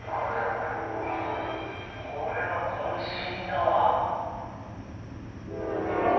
これは渾身だわ。